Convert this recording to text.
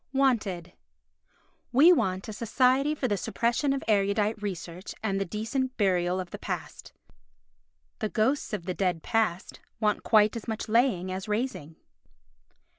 Wanted We want a Society for the Suppression of Erudite Research and the Decent Burial of the Past. The ghosts of the dead past want quite as much laying as raising.